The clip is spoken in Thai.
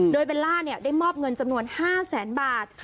โดยเบลล่าได้มอบเงินจำนวน๕แสนบาท